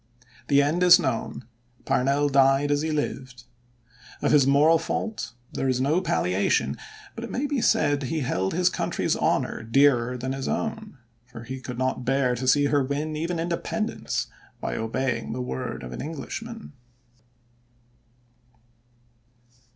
The end is known Parnell died as he had lived. Of his moral fault there is no palliation, but it may be said he held his country's honor dearer than his own, for he could not bear to see her win even independence by obeying the word of an Englishman.